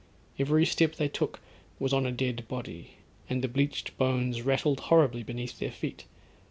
Every step they took was on a dead body; and the bleached bones rattled horribly beneath their feet.